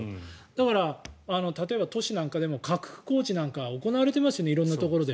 だから、例えば都市なんかでも拡幅工事なんかが行われていますよね色んなところで。